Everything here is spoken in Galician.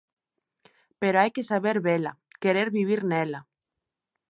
Pero hai que saber vela, querer vivir nela.